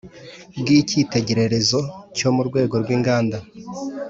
bw icyitegererezo cyo mu rwego rw inganda